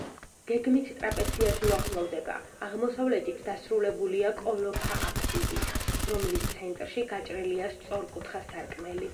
გეგმით ტრაპეციას უახლოვდება, აღმოსავლეთით დასრულებულია კოლოფა აბსიდით, რომლის ცენტრში გაჭრილია სწორკუთხა სარკმელი.